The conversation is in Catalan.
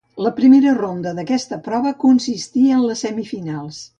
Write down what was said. La primera ronda d'aquesta prova consistí en les semifinals.